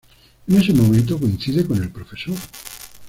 En ese momento coincide con el Prof.